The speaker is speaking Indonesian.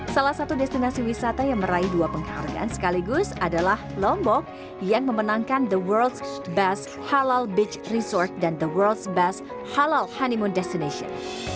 salah satu destinasi wisata yang meraih dua penghargaan sekaligus adalah lombok yang memenangkan the world best halal beach resort dan the worlds best halal honeymone destination